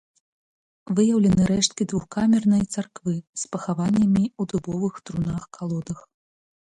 Выяўлены рэшткі двухкамернай царквы з пахаваннямі ў дубовых трунах-калодах.